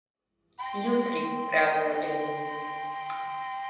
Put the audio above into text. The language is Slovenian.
Jutri, pravijo leni.